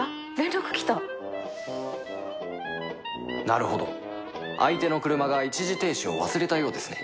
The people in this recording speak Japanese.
なるほど相手の車が一時停止を忘れたようですね